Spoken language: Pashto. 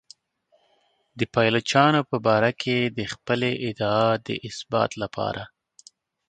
د پایلوچانو په باره کې د خپلې ادعا د اثبات لپاره.